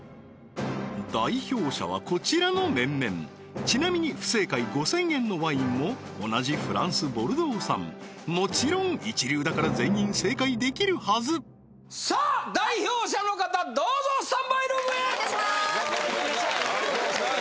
代表者はこちらの面々ちなみに不正解５０００円のワインも同じフランスボルドー産もちろん一流だから全員正解できるはずさあ代表者の方どうぞスタンバイルームへお願いいたします